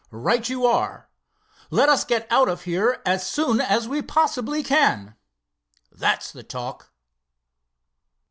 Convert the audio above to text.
"Right you are. Let us get out of here as soon as we possibly can!" "That's the talk!"